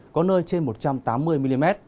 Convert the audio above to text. có nơi trên một trăm tám mươi mm